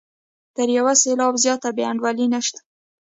تر یو سېلاب زیاته بې انډولي نشته.